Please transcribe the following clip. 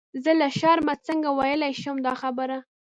زه له شرمه څنګه ویلای شم دا خبره.